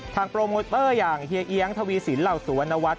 โปรโมเตอร์อย่างเฮียเอี๊ยงทวีสินเหล่าสุวรรณวัฒ